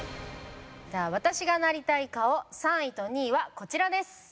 私がなりたい顔３位と２位はこちらです。